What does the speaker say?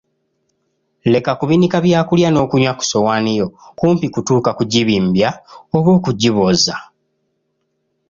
Leka kubinika byakulya n'okunywa ku ssowaani yo kumpi kutuuka kugibimbya oba okigibooza.